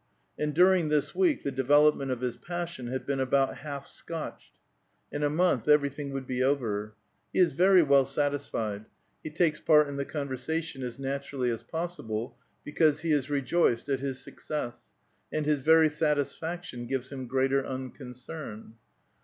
And during this week the development of his passion had been about half scotched ; in a month everything would be over. He is very well satisfied ; he takes part in the con vei*sation as naturally as possible, because he is rejoiced at his success, and his very satisfaction gives him greater un concern.